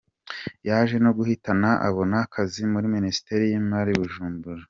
Yaje no guhita abona kazi muri Minisiteri y’Imari i Bujumbura.